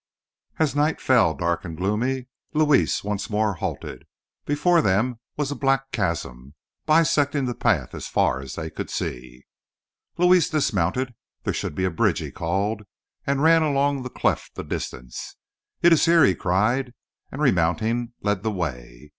As night fell, dark and gloomy, Luis once more halted. Before them was a black chasm, bisecting the path as far as they could see. Luis dismounted. "There should be a bridge," he called, and ran along the cleft a distance. "It is here," he cried, and remounting, led the way.